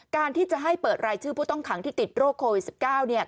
การที่จะให้เปิดรายชื่อผู้ต้องขังที่ติดโรคโควิด๑๙